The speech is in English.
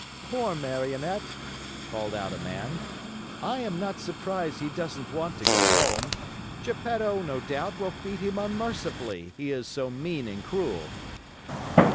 "Poor Marionette," called out a man. "I am not surprised he doesn't want to go home. Geppetto, no doubt, will beat him unmercifully, he is so mean and cruel!"